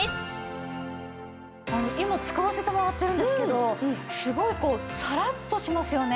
今使わせてもらってるんですけどすごいサラッとしますよね。